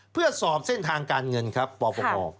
เพื่อสอบเส้นทางการเงินครับปปง